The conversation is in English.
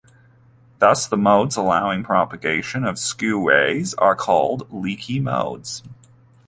Thus the modes allowing propagation of skew rays are called leaky modes.